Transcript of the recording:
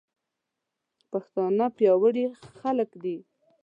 پښتانه پياوړي خلک دي.